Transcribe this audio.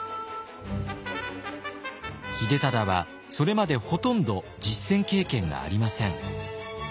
秀忠はそれまでほとんど実戦経験がありません。